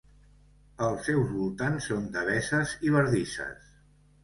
Els seus voltants són deveses i bardisses.